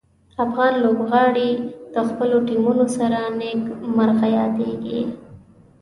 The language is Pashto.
افغان لوبغاړي د خپلو ټیمونو سره نیک مرغه یادیږي.